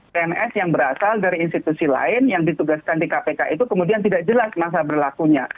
pms yang berasal dari institusi lain yang ditugaskan di kpk itu kemudian tidak jelas masa berlakunya